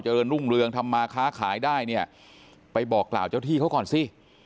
เรินรุ่งเรืองทำมาค้าขายได้เนี่ยไปบอกกล่าวเจ้าที่เขาก่อนสิ